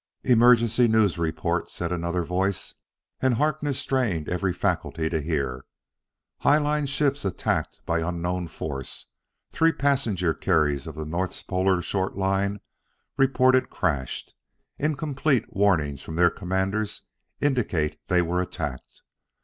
"Emergency news report," said another voice, and Harkness strained every faculty to hear. "Highline ships attacked by unknown foe. Three passenger carriers of the Northpolar Short Line reported crashed. Incomplete warnings from their commanders indicate they were attacked.